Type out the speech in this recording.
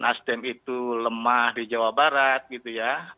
nasdem itu lemah di jawa barat gitu ya